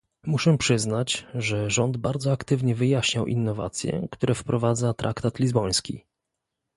Muszę przyznać, że rząd bardzo aktywnie wyjaśniał innowacje, które wprowadza traktat lizboński